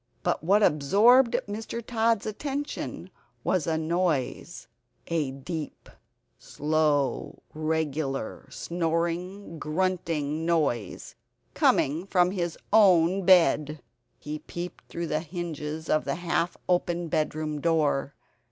But what absorbed Mr. Tod's attention was a noise, a deep slow regular snoring grunting noise, coming from his own bed. He peeped through the hinges of the half open bedroom door.